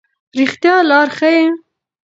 رښتیا لار ښيي.